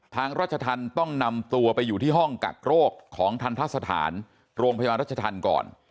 ทางราชทันต้องนำตัวไปอยู่ที่ห้องกักโรคของทัณฑสถานโรงพยาบาลราชทันก่อน